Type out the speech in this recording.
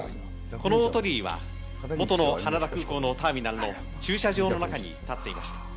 この大鳥居は、元の羽田空港のターミナルの駐車場の中に建っていました。